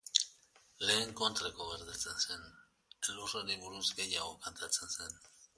Lehen kontrakoa gertatzen zen, elurrari buruz gehiago kantatzen zen.